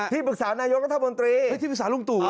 ที่ปรึกษานายกรรษมนตรีที่ปรึกษาลุงตุ๋วนะฮะ